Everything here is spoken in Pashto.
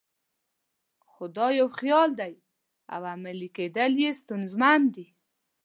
خو دا یو خیال دی او عملي کېدل یې ستونزمن دي.